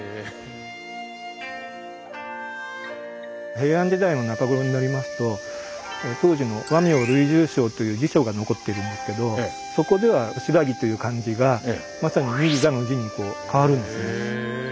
平安時代の中頃になりますと当時の「和名類聚抄」という辞書が残っているんですけどそこでは「新羅」という漢字がまさに「新座」の字に変わるんですね。